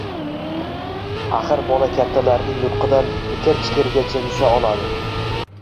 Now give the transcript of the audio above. Axir bola kattalarning nutqidan ikir-chikirigacha nusha oladi.